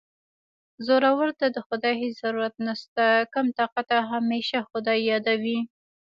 زورور ته د خدای هېڅ ضرورت نشته کم طاقته همېشه خدای یادوي